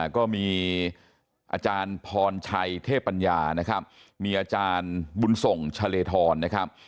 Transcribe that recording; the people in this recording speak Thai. ก็มีอาจารย์พรชัยเทพปัญญานะครับมีอาจารย์บุญส่งชะเลธรนะครับ